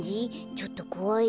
ちょっとこわい？